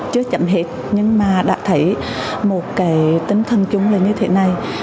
chưa chấm hết nhưng mà đã thấy một cái tính thân chúng là như thế này